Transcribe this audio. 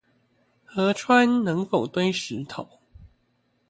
河川能否堆石頭